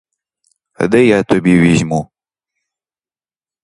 А де я тобі візьму?